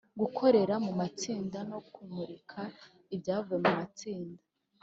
gukorera mu matsinda no kumurika ibyavuye mu matsinda.